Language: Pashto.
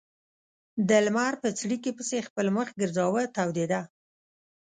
د لمر په څړیکې پسې خپل مخ ګرځاوه تودېده.